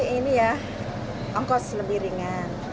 ini ya ongkos lebih ringan